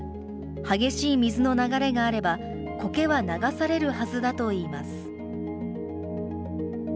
激しい水の流れがあれば、コケは流されるはずだといいます。